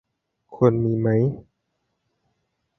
คุณมีไหม